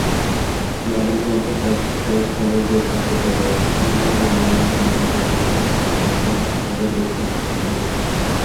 মানিক বন্দ্যোপাধ্যায়ের সমগ্র সাহিত্যকর্মের একটি পূর্ণাঙ্গ মূল্যায়ন মানিক বন্দ্যোপাধ্যায় অন্তর্বাস্তবতা বহির্বাস্তবতা বইটি।